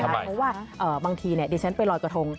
เพราะว่าบางทีดิฉันไปลอยกระทง